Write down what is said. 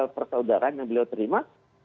persaudaraan yang beliau terima